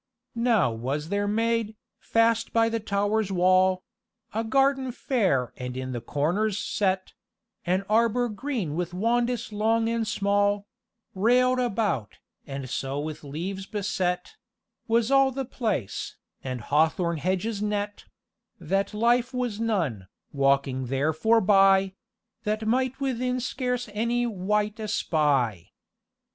"Now was there made, fast by the tower's wall, A garden faire, and in the corners set An arbour green with wandis long and small Railed about, and so with leaves beset Was all the place, and hawthorn hedges knet, That lyf was none, walking there forbye, That might within scarce any wight espy.